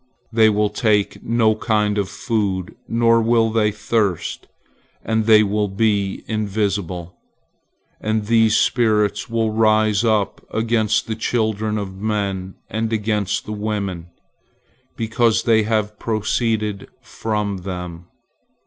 They will take no kind of food, nor will they thirst, and they will be invisible. And these spirits will rise up against the children of men and against the women, because they have proceeded from them.